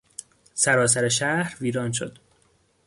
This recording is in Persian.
سراسر شهر ویران شد.